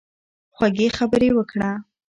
خوږې خبرې وکړه.